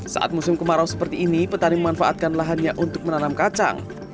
saat musim kemarau seperti ini petani memanfaatkan lahannya untuk menanam kacang